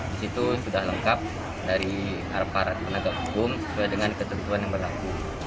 di situ sudah lengkap dari aparat penegak hukum sesuai dengan ketentuan yang berlaku